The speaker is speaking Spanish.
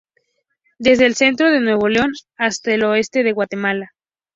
Desde el centro de Nuevo León hasta el oeste de Guatemala.